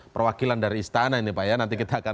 perwakilan dari istana ini pak ya nanti kita akan